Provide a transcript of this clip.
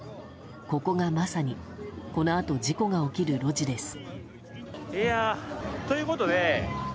ここがまさにこのあと事故が起きる路地です。